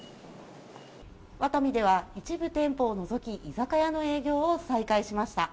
ワタミでは一部店舗を除き居酒屋の営業を再開しました。